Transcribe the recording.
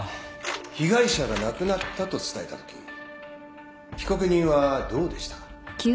被害者が亡くなったと伝えたとき被告人はどうでしたか。